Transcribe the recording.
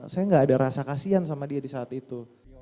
saya nggak ada rasa kasian sama dia di saat itu